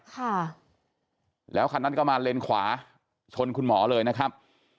ค่ะแล้วคันนั้นก็มาเลนขวาชนคุณหมอเลยนะครับ